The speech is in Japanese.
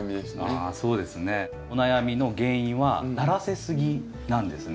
あそうですね。お悩みの原因はならせすぎなんですね。